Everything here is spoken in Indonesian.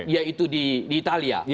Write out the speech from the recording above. yaitu di italia